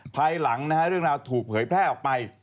ภายหลังนะฮะเรื่องราวถูกเผยแพร่ออกไป